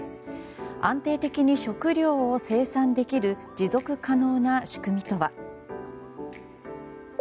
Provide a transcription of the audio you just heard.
安定的に食料を生産できる持続可能な仕組みとは。